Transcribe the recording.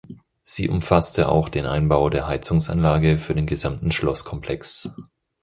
Sie umfasste auch den Einbau der Heizungsanlage für den gesamten Schlosskomplex.